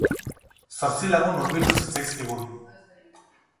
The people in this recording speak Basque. Zortzi lagun hurbildu zitzaizkigun.